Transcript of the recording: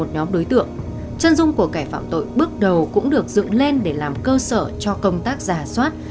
nhóm đối tượng chân dung của cải phạm tội bước đầu cũng được dựng lên để làm cơ sở cho công tác giả soát